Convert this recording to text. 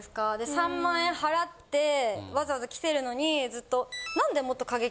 ３万円払ってわざわざ来てるのにずっと。